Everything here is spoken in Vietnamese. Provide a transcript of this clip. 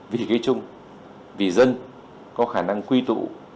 vì cái chung vì dân có khả năng quy tụ